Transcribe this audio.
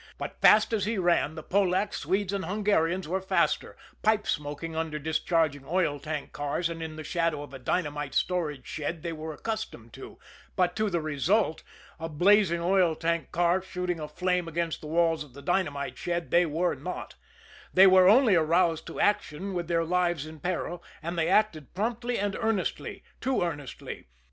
But fast as he ran, the Polacks, Swedes and Hungarians were faster pipe smoking under discharging oil tank cars and in the shadow of a dynamite storage shed they were accustomed to, but to the result, a blazing oil tank car shooting a flame against the walls of the dynamite shed, they were not they were only aroused to action with their lives in peril, and they acted promptly and earnestly too earnestly.